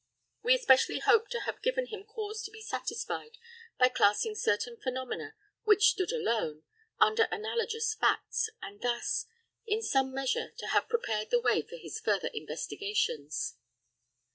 We especially hope to have given him cause to be satisfied by classing certain phenomena which stood alone, under analogous facts, and thus, in some measure, to have prepared the way for his further investigations.